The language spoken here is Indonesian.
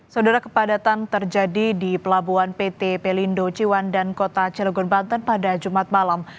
saudara kepadatan terjadi di pelabuhan pt pelindo ciwan dan kota cilegon banten pada jumat malam